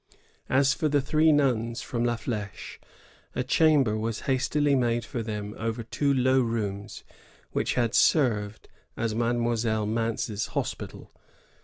As for the three nuns from La Fl^che, a chamber was hastily made for them over two low rooms which had served as Mademoiselle Mance's hospital.